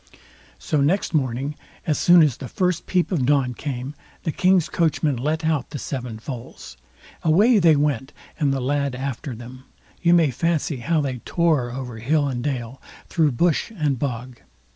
So next morning, as soon as the first peep of dawn came, the king's coachman let out the seven foals. Away they went, and the lad after them. You may fancy how they tore over hill and dale, through bush and bog.